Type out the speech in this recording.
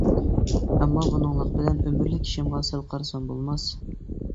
ئەمما بۇنىڭلىق بىلەن ئۆمۈرلۈك ئىشىمغا سەل قارىسام بولماس.